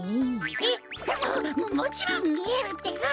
えっ？ももちろんみえるってか。